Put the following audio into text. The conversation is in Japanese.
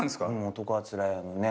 『男はつらいよ』のね。